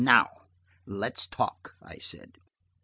"Now, let's talk," I said.